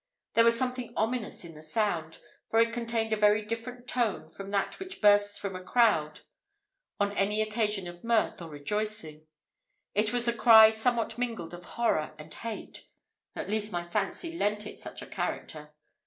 There was something ominous in the sound, for it contained a very different tone from that which bursts from a crowd on any occasion of mirth or rejoicing. It was a cry somewhat mingled of horror and hate; at least my fancy lent it such a character.